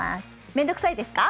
面倒臭いですか？